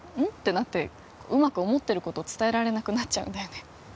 うん？ってなってうまく思ってること伝えられなくなっちゃうんだよね